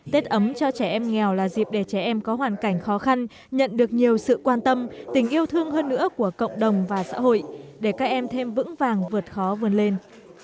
tết ấm cho trẻ em nghèo là dịp để trẻ em có hoàn cảnh khó khăn nhận được nhiều sự quan tâm tình yêu thương hơn nữa của cộng đồng và xã hội để các em thêm vững vàng vượt khó vươn lên